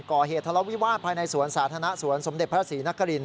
ก่อเหตุทะเลาวิวาสภายในสวนสาธารณะสวนสมเด็จพระศรีนคริน